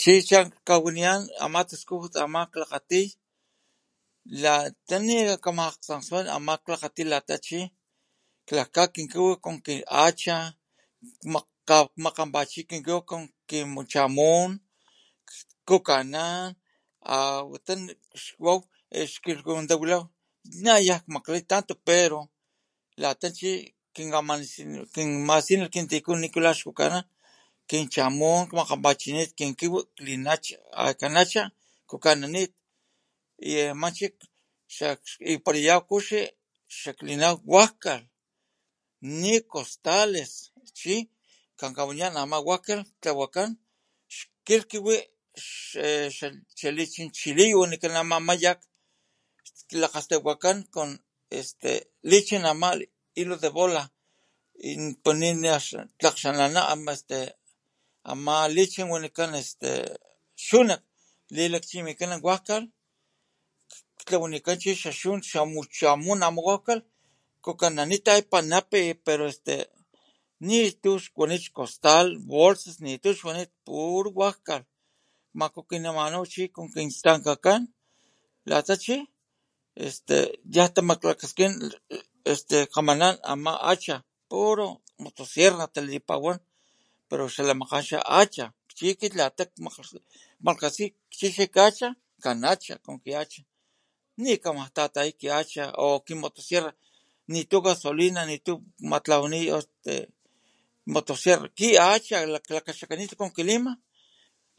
Chi nak kawaniyan ama taskujut ne ama akit klakgati lata ama nikama akgtsoswa lata chi klika kin kiwi makganpa chi kinkiwi o chamun kukanan a wata xwaw nayan makglit tanto pero lata chi kinkamasinikanan kimasinilh kintiku nikula kukana kinchamun o makganpachinit kin kiwi allakanacha y e macha chi nakiyaw kuxi klinaw wakgka ni costales chi kankawaniyan ama wanka tlawakan kilh xakiwi xalitsintsiri wanikan ama mayak lakgastawakan con este lichin ama wanikan o nilakgxananit ama kichin wanikan xunak lichimikan wajkan tlawanikan chi xa chamun ama walhkan kukananit tapinapi nitu ixwanit para este costal bolsas nitu xwanit chux wanit puro walhkan makukinamanw con kintse lhtankakan yan tamaklakaskin kgamanan ama hacha puro motosierra talipawan pero xalamakgan hacha chi akit lata makgkgatsi takaxa kanacha ni kaa tataya ki hacha ni sierra gasolina nitu matlawani o este motosierra klakaxakanit conkilima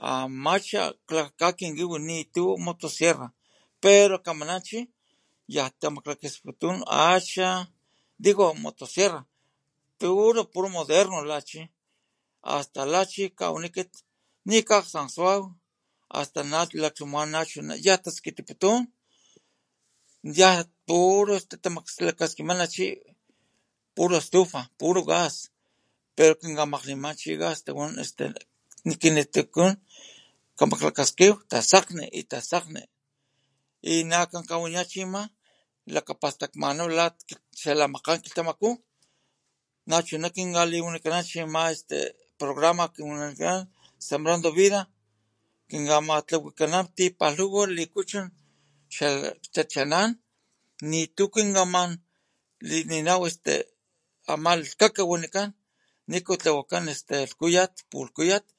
amacha klaka kin kiwi nitu motosierra pero kamanan chi tamaklakaskinputun hacha chi puro moderno hasta la chi kawani akit ni akgtsoswaw asta lan xatsumat skitiputun yan tu tuku tamaklakaskimana puro estufa puro gas pero kikamakglhtiman chi gas nikilitukun klakaskin tasakgni tsakgni y na kankawaniyan chi ama lakapastakmamaw xalakgmakan kilhtamaku nachuna kinkaliwinikanan programa ne wanikan sembrando vida kinkamalhuwikakan tipalhuwa puro likuchun xa tachanan nitu kimakakinan ama khakaka niku tlawakan este pulhkuyat este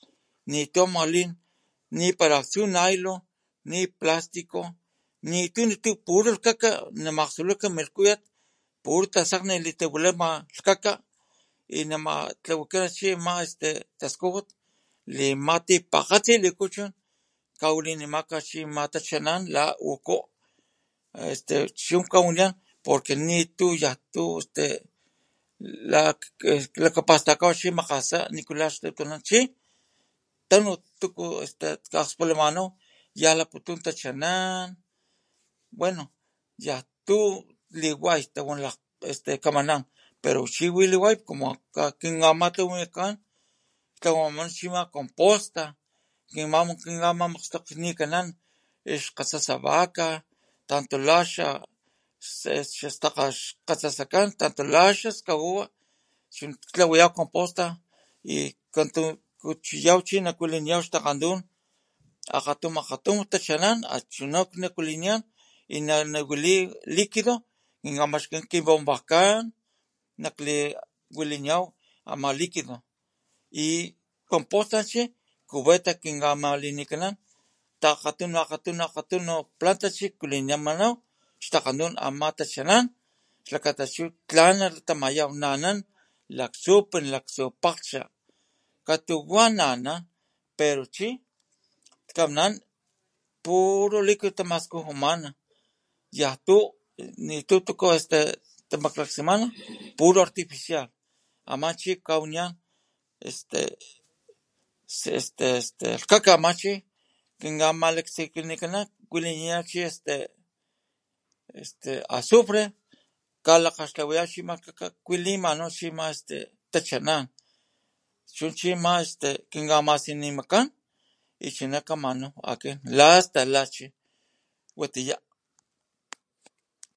nitu nalin nipara aktsu nailo niplastico nitu nitu puro lhkaka mastuka milhkuyat puro tasakgni litawilama lhkaka y namawaka tlawakan ama chi taskujut nama tipakgatsi likuchun kawalinimaka ama tachanan lan la ukun chu kawaniyan porque nitu yantu este laklakapastaka xalimakgtun pasa chi tanu tutku akspulmanw yan laputun tachanan ya n tu liway tawan lakgkgolon este kaman pero chi wi liway como kinkamatlawikan ama chi composta kinkamakgstokgmikanan iskgatsasa vaca tanto la xastakga xkgasasakan lata la xaskakawa chu tlawayaw composta y katantuchiyaw chi xtakgantuy akgatu akgatu tachanan nachuna nakualiniyan y nanawali liquido kinkamaxkinitankan kibombakan nakliwiliniyaw ama liquido y composta chi cubeta kinkamalinikanan takgatunu akgatunu plantas chi wiliniyaw xtakgantun ama tachanan xlakata chu tlan nalatamayaw na ana laktsupin kagtsu pakglhcha katuwa anana pero chi ana puro liquido tamaskujunamanan yantu tuku tamaklakaskimanan puro artificial ama chi kawaniyan lhkaka ama chi kinka malaksijkinakanan wilinitaw chi este este azufre kalakgkaxtlawayaw chi kualimanan ama chi tachanan chu chi ama este masinimakan nachu kanaw akin la chi watiya.